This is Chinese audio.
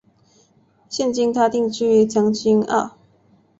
现今她定居于将军澳。